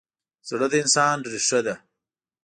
زړه د انسان ریښه ده.